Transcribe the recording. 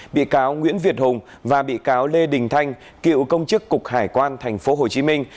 bị cáo nguyễn việt hùng và bị cáo lê đình thanh cựu công chức cục hải quan thành phố hồ chí minh